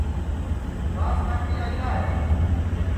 ہوں گھاس کاٹی آئیرا ہے